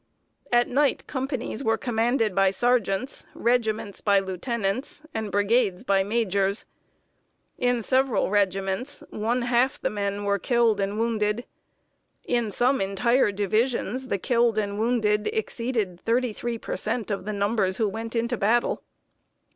At night companies were commanded by sergeants, regiments by lieutenants, and brigades by majors. In several regiments, one half the men were killed and wounded; and in some entire divisions the killed and wounded exceeded thirty three per cent, of the numbers who went into battle.